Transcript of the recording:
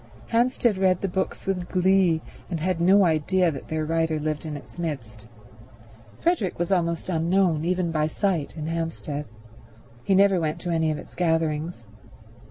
Hampstead read the books with glee, and had no idea that their writer lived in its midst. Frederick was almost unknown, even by sight, in Hampstead. He never went to any of its gatherings.